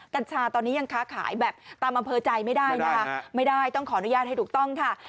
กัญชาตอนนี้ยังค้าขายแบบตามอำเภอใจไม่ได้นะคะไม่ได้ต้องขออนุญาตให้ถูกต้องค่ะ